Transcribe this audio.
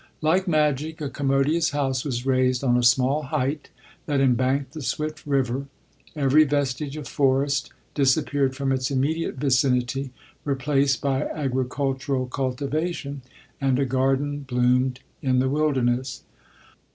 Like magic, a commo dious house was raised on a small height that embanked the swift river — every vestige of forest disappeared from its immediate vicinity, re placed by agricultural cultivation, and a garden bloomed in the wilderness.